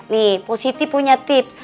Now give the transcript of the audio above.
nih positi punya tip